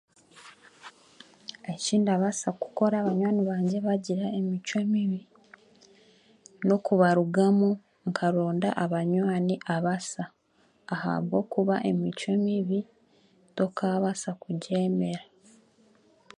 Ekindabaasa kukora baanywani bangye baagira emicwe mibi n'okubarugamu nkaronda abanywani abasa ahabwokuba emicwe mibi tokaabaasa kugyemera